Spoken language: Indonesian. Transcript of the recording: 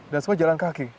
dan semua jalan kaki